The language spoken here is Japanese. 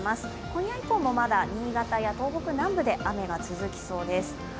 今夜以降もまだ、新潟や東北南部で雨が続きそうです。